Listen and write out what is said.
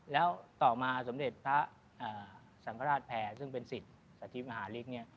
แล้วต่อมาสมเด็จพระสังฆราชแพรซึ่งเป็นสิทธิ์สาธิตมหาลิกเนี่ย